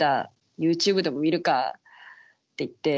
ＹｏｕＴｕｂｅでも見るか」って言って。